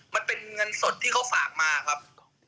มันเป็นเงินสดที่เขาฝากมาครับ